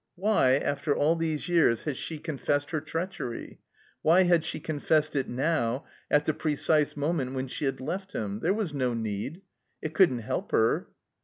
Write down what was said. Why, after all these years, had she confessed her treachery? Why had ^e confessed it now at the predse moment when she had left him? There was no need. It couldn't help her.